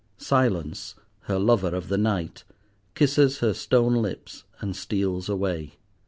Silence, her lover of the night, kisses her stone lips, and steals away.